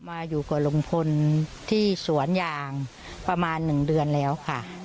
มาอยู่กับลุงพลที่สวนยางประมาณ๑เดือนแล้วค่ะ